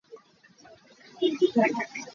Khing kan i cangh lai.